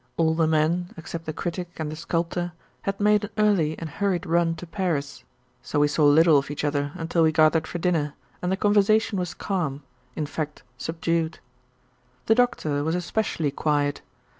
All the men, except the Critic and the Sculptor, had made an early and hurried run to Paris. So we saw little of each other until we gathered for dinner, and the conversation was calm in fact subdued. The Doctor was especially quiet.